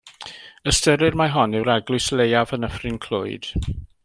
Ystyrir mai hon yw'r eglwys leiaf yn Nyffryn Clwyd.